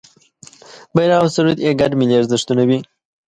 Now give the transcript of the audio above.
بېرغ او سرود یې ګډ ملي ارزښتونه وي.